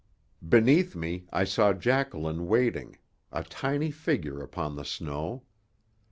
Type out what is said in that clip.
Beneath me I saw Jacqueline waiting, a tiny figure upon the snow.